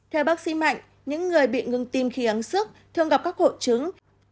theo bác sĩ mạnh những người bị ngừng tim khi ánh sức thường gặp các hội chứng